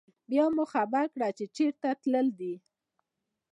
بيا ما خبر کړه چې چرته تلل دي